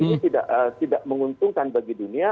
ini tidak menguntungkan bagi dunia